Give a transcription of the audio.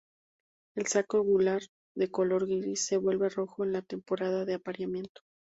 El saco gular, de color gris, se vuelve rojo en la temporada de apareamiento.